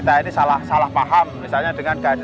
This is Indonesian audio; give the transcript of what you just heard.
jangan sampai kemudian kita ini salah paham misalnya dengan gaji